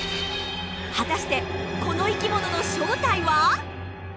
果たしてこの生きものの正体は？